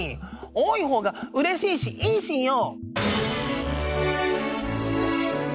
多い方がうれしいしいいしんよ！